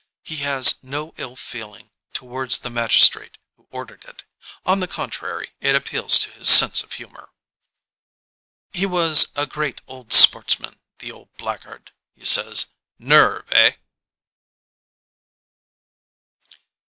He has no ill feeling towards the magistrate who ordered it; on the contrary it appeals to his sense of humour. "He was a great old sportsman, the old black guard," he says. "Nerve, eh?"